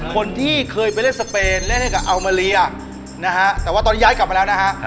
คนที่เคยไปเล่นสเปนเล่นให้กับอัลมาเลียนะฮะแต่ว่าตอนนี้ย้ายกลับมาแล้วนะฮะ